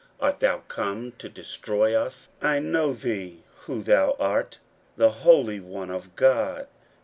art thou come to destroy us? I know thee who thou art, the Holy One of God.